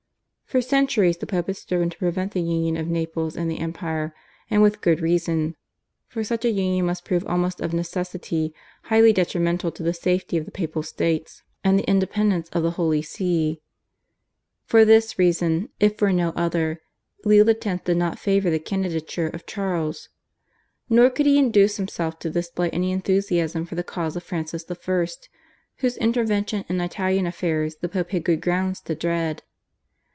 For centuries the Pope had striven to prevent the union of Naples and the Empire, and with good reason, for such a union must prove almost of necessity highly detrimental to the safety of the Papal States and the independence of the Holy See. For this reason, if for no other, Leo X. did not favour the candidature of Charles. Nor could he induce himself to display any enthusiasm for the cause of Francis I., whose intervention in Italian affairs the Pope had good grounds to dread.